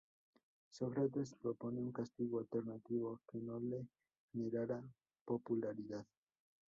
Sócrates propone un castigo alternativo que no le generara popularidad.